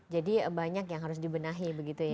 jadi banyak yang harus dibenahi begitu ya